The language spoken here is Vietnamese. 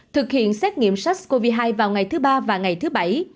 thực hiện xét nghiệm sars cov hai vào ngày thứ ba và ngày thứ bảy